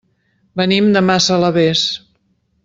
Venim de Massalavés.